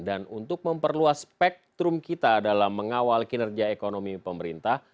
dan untuk memperluas spektrum kita dalam mengawal kinerja ekonomi pemerintah